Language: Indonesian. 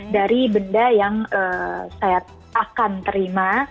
dari benda yang saya akan terima